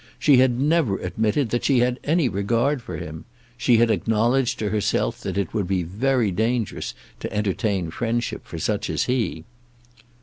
She had never admitted that she had any regard for him. She had acknowledged to herself that it would be very dangerous to entertain friendship for such as he.